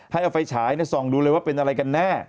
ให้เอาไฟฉายส่องดูเลยว่าเป็นอะไรกันแน่